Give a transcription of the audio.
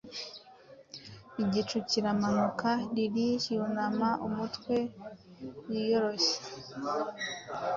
Igicu kiramanuka, Lili yunama umutwe wiyoroshya